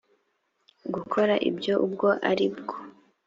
gukora ibyo ubwo ari bwo